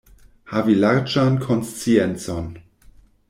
Havi larĝan konsciencon.